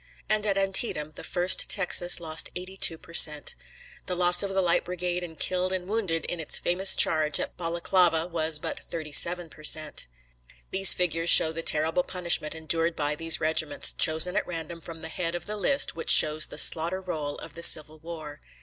and at Antietam the 1st Texas lost 82 percent. The loss of the Light Brigade in killed and wounded in its famous charge at Balaklava was but 37 per cent. These figures show the terrible punishment endured by these regiments, chosen at random from the head of the list which shows the slaughter roll of the Civil War.